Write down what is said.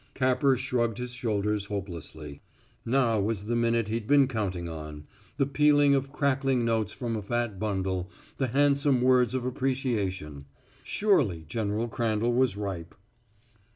Capper shrugged his shoulders hopelessly. Now was the minute he'd been counting on the peeling of crackling notes from a fat bundle, the handsome words of appreciation. Surely General Crandall was ripe.